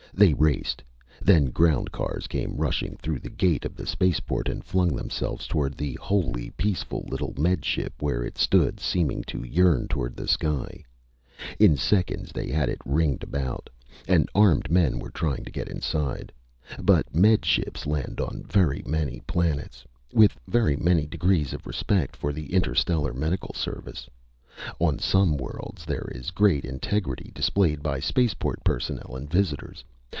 They raced. Then ground cars came rushing through the gate of the spaceport and flung themselves toward the wholly peaceful little Med Ship where it stood seeming to yearn toward the sky. In seconds they had it ringed about, and armed men were trying to get inside. But Med Ships land on very many planets, with very many degrees of respect for the Interstellar Medical Service. On some worlds there is great integrity displayed by spaceport personnel and visitors.